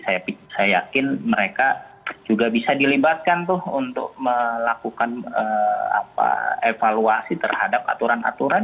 saya yakin mereka juga bisa dilibatkan tuh untuk melakukan evaluasi terhadap aturan aturan